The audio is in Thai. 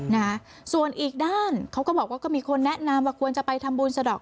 นะฮะส่วนอีกด้านเขาก็บอกว่าก็มีคนแนะนำว่าควรจะไปทำบุญสะดอก